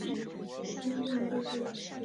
因病致仕。